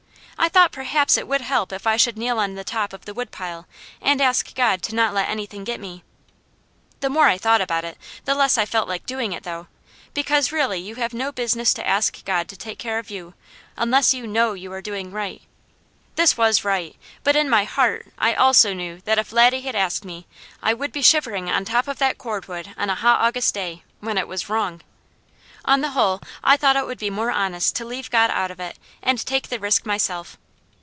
I thought perhaps it would help if I should kneel on the top of the woodpile and ask God to not let anything get me. The more I thought about it, the less I felt like doing it, though, because really you have no business to ask God to take care of you, unless you KNOW you are doing right. This was right, but in my heart I also knew that if Laddie had asked me, I would be shivering on top of that cordwood on a hot August day, when it was wrong. On the whole, I thought it would be more honest to leave God out of it, and take the risk myself.